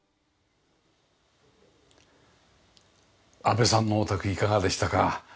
阿部さんのお宅いかがでしたか？